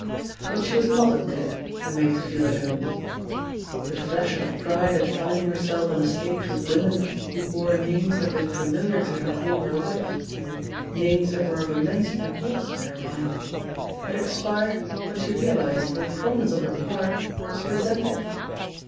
But she was not admitted and made to feel at home. The flash of pride at finding herself on a stage with women who bore names that had been familiar to her all her life, names that were of immense importance to her mind, had expired when she realised that the prominence of her part was resented.